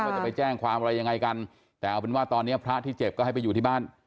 ว่าจะไปแจ้งความอะไรยังไงกันแต่เอาเป็นว่าตอนนี้พระที่เจ็บก็ให้ไปอยู่ที่บ้าน